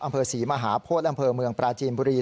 อังเภอ๔มหาพศอังเภอเมืองปราจีนบุรี